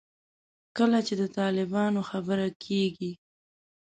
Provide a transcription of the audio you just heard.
کله چې د طالبانو خبره کېږي.